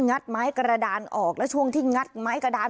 ัดไม้กระดานออกและช่วงที่งัดไม้กระดาน